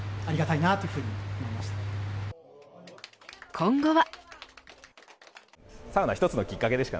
今後は。